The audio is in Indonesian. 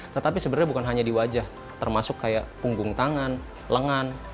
tetapi sebenarnya bukan hanya di wajah termasuk kayak punggung tangan lengan